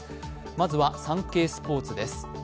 まずは「サンケイスポーツ」です。